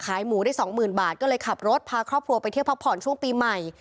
หมูได้สองหมื่นบาทก็เลยขับรถพาครอบครัวไปเที่ยวพักผ่อนช่วงปีใหม่